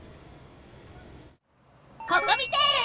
ココミテール！